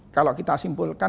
kalau kita simpulkan